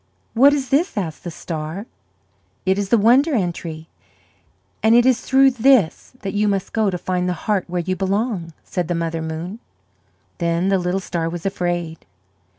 "What is this?" asked the star. "It is the Wonder Entry; and it is through this that you must go to find the heart where you belong," said the Mother Moon. Then the little star was afraid.